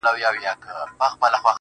وا وا ده په وجود کي واويلا ده په وجود کي